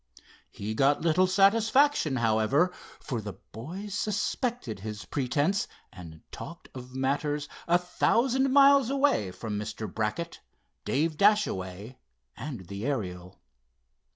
He got little satisfaction, however, for the boys suspected his pretense and talked of matters a thousand miles away from Mr. Brackett, Dave Dashaway and the Ariel.